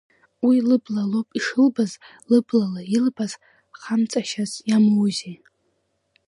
Уи лыблалоуп ишылбаз, лыблала илбаз хамҵашьас иамоузеи.